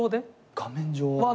画面上は。